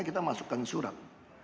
kita masukkan surat